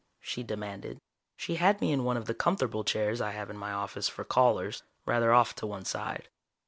she demanded. She had me in one of the comfortable chairs I have in my office for callers, rather off to one side.